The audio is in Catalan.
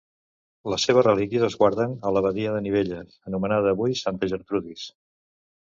Les seves relíquies es guarden a l'abadia de Nivelles, anomenada avui de Santa Gertrudis.